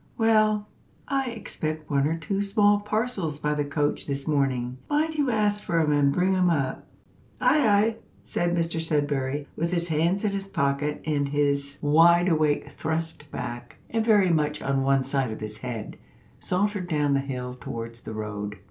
"Well." "I expect one or two small parcels by the coach this morning; mind you ask for 'em and bring 'em up." "Ay, ay!" and Mr Sudberry, with his hands in his pockets, and his wideawake thrust back and very much on one side of his head, sauntered down the hill towards the road.